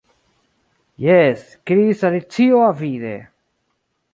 "Jes," kriis Alicio avide.